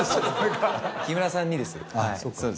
木村さんにです。